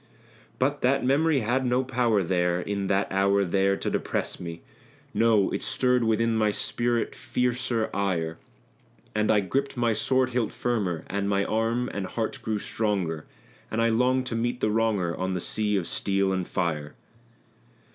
But that memory had no power there in that hour there to depress me No! it stirred within my spirit fiercer ire; And I gripped my sword hilt firmer, and my arm and heart grew stronger; And I longed to meet the wronger on the sea of steel and fire.